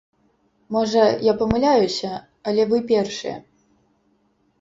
Можа, я памыляюся, але вы першыя.